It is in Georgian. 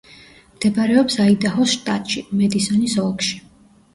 მდებარეობს აიდაჰოს შტატში, მედისონის ოლქში.